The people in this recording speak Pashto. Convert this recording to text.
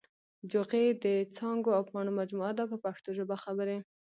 جوغې د څانګو او پاڼو مجموعه ده په پښتو ژبه خبرې.